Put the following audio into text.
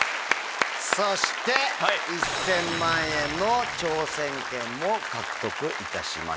そして１０００万円の挑戦権も獲得いたしました。